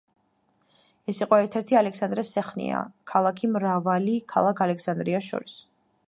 ეს იყო ერთ-ერთი ალექსანდრეს სეხნია ქალაქი მრავალ ქალაქ ალექსანდრიას შორის.